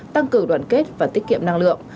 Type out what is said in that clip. tăng cường đoàn kết và tiết kiệm năng lượng